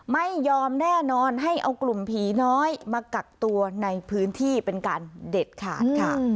ไม่ยอมแน่นอนให้เอากลุ่มผีน้อยมากักตัวในพื้นที่เป็นการเด็ดขาดค่ะ